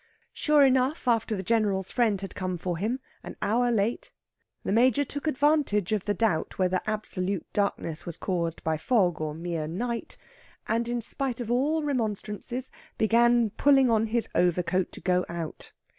Sure enough, after the General's friend had come for him, an hour late, the Major took advantage of the doubt whether absolute darkness was caused by fog or mere night, and in spite of all remonstrances, began pulling on his overcoat to go out.